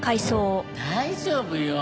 大丈夫よ。